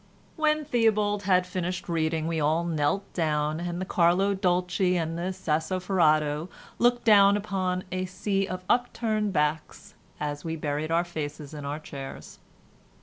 When Theobald had finished reading we all knelt down and the Carlo Dolci and the Sassoferrato looked down upon a sea of upturned backs, as we buried our faces in our chairs.